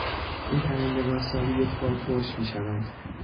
این پرندگان سالی یکبار کرچ میشوند.